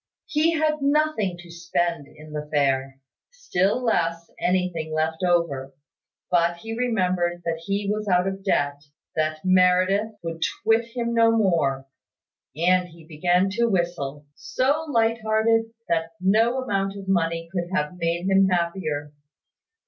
He had nothing to spend in the fair; still less, anything left over. But he remembered that he was out of debt, that Meredith, would twit him no more, and he began to whistle, so light hearted, that no amount of money could have made him happier.